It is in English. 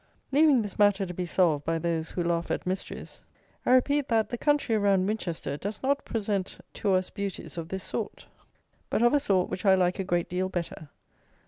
Leaving this matter to be solved by those who laugh at mysteries, I repeat that the country round Winchester does not present to us beauties of this sort; but of a sort which I like a great deal better.